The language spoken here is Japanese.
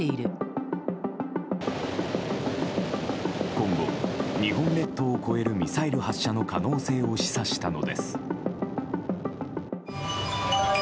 今後、日本列島を越えるミサイル発射の可能性を示唆したのです。